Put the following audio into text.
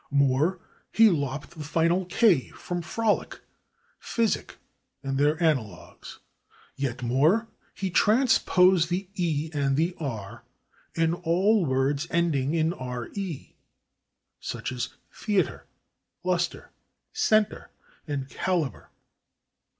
More, he lopped the final /k/ from /frolick/, /physick/ and their analogues. Yet more, he transposed the /e/ and the /r/ in all words ending in /re/, such as /theatre/, /lustre/, /centre/ and /calibre